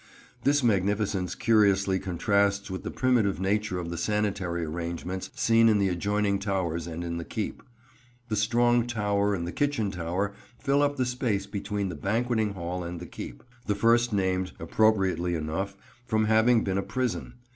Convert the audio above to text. This magnificence curiously contrasts with the primitive nature of the sanitary arrangements seen in the adjoining towers and in the keep. The Strong Tower and the Kitchen Tower fill up the space between the Banqueting Hall and the keep; the first named, appropriately enough, from having been a prison.